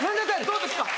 どうですか！